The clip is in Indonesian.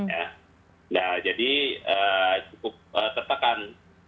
ya jadi cukup tertekan